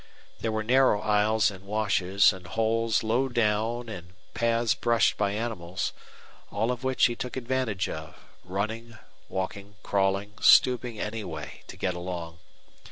There were narrow aisles and washes and holes low down and paths brushed by animals, all of which he took advantage of, running, walking, crawling, stooping any way to get along.